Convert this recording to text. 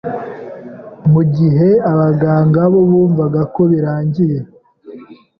mu gihe abaganga bo bumvaga ko birangiye,